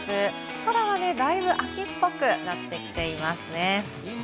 空はだいぶ秋っぽくなってきていますね。